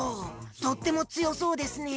とってもつよそうですね！